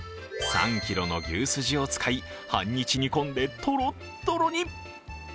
３ｋｇの牛すじを使い半日煮込んでトロットロに。